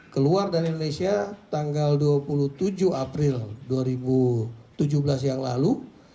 keluar dari indonesia tanggal dua puluh tujuh april dua ribu tujuh belas yang lalu